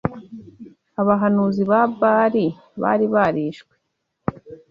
Abahanuzi ba Bali bari barishwe